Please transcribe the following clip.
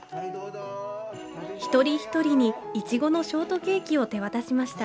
一人一人にいちごのショートケーキを手渡しました。